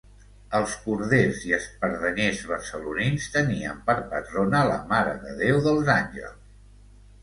Els corders i espardenyers barcelonins tenien per patrona la Mare de Déu dels Àngels.